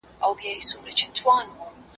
په دغه کتاب کي مي د شکر د ګټو په اړه ولیکل.